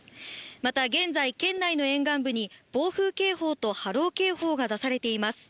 また現在、県内の沿岸部に暴風警報と波浪警報が出されています。